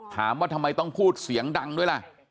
ถามว่าทำไมต้องพูดเสียงดังด้วยล่ะ